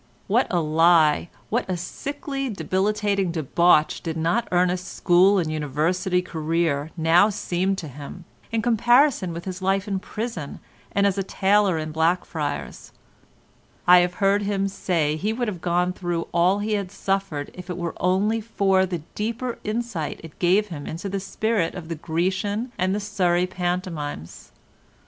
What a lie, what a sickly debilitating debauch did not Ernest's school and university career now seem to him, in comparison with his life in prison and as a tailor in Blackfriars. I have heard him say he would have gone through all he had suffered if it were only for the deeper insight it gave him into the spirit of the Grecian and the Surrey pantomimes.